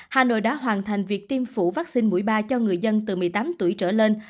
hà nội đã hoàn thành việc tiêm phủ vaccine mũi ba cho người dân từ một mươi tám tuổi trở lên